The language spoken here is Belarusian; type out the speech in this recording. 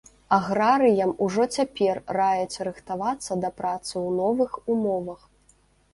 Аграрыям ужо цяпер раяць рыхтавацца да працы ў новых умовах.